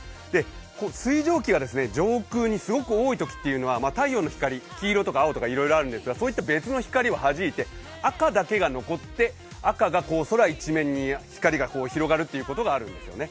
水蒸気が上空にすごく多いときというのは太陽の光、黄色とか青とかいろいろあるんですがそういった別の光をはじいて赤だけが残って、赤が空一面に光が広がるということがあるんですよね。